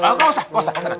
enggak usah enggak usah